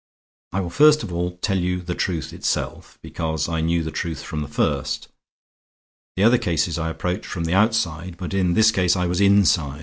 I will first of all tell you the truth itself, because I knew the truth from the first. The other cases I approached from the outside, but in this case I was inside.